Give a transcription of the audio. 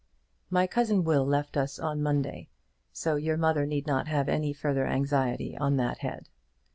My cousin Will left us on Monday, so your mother need not have any further anxiety on that head.